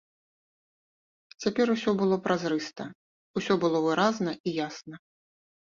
Цяпер усё было празрыста, усё было выразна і ясна.